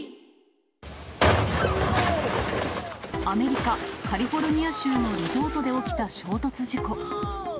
アメリカ・カリフォルニア州のリゾートで起きた衝突事故。